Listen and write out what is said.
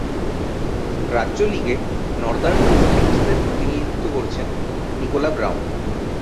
রাজ্য লীগে নর্দার্ন ডিস্ট্রিক্টসের প্রতিনিধিত্ব করছেন নিকোলা ব্রাউন।